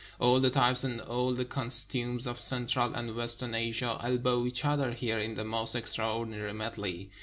All the types and all the cos tumes of central and western Asia elbow each other here in the most extraordinary medley.